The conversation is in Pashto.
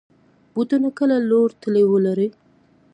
بوټونه کله لوړ تلي ولري.